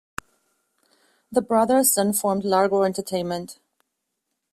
The brothers then formed Largo Entertainment.